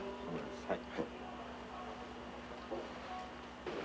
はい。